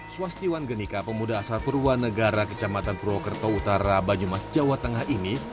swastiwan genika pemuda asal purwanegara kecamatan purwokerto utara banyumas jawa tengah ini